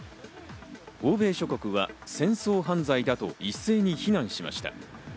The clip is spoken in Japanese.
欧米諸国は戦争犯罪だと一斉に非難しました。